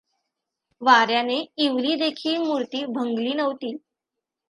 वाऱ्याने इवली देखील मूर्ती भंगली नव्हती.